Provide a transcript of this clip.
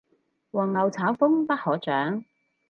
黃牛炒風不可長